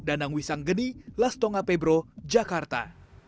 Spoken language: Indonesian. angwi sanggeni lastonga pebro jakarta